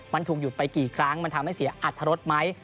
มันถูกหยุดไปกี่ครั้งมันทำให้เสียอัตรรสไหม